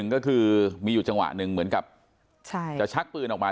๑ก็คือมีหยุดจังหวะ๑เหมือนกับจะชักปืนออกมา